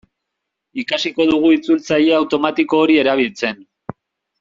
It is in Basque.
Ikasiko dugu itzultzaile automatiko hori erabiltzen.